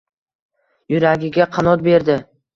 Yuragiga qanot berdi